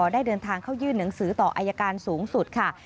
ได้เดินทางเข้ายื่นหนังสือต่ออายการสูงสุดค่ะ